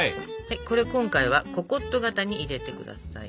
これ今回はココット型に入れて下さい。